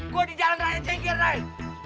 gue di jalan raya jengkel ray